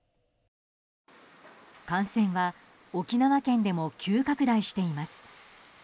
感染は沖縄県でも急拡大しています。